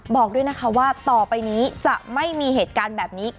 บอกด้วยนะคะว่าต่อไปนี้จะไม่มีเหตุการณ์แบบนี้